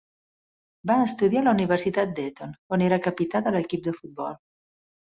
Va estudiar a la Universitat d'Eton, on era capità de l'equip de futbol.